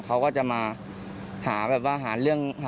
เขาก็จะมาหาแบบว่าหาเรื่อง